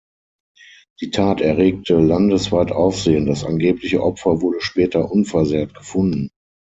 Die Tat erregte landesweit Aufsehen, das angebliche Opfer wurde später unversehrt gefunden.